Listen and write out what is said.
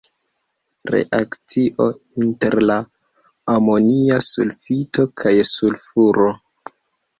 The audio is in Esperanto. Reakcio inter la amonia sulfito kaj sulfuro.